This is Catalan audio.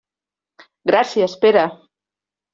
Gràcies, Pere.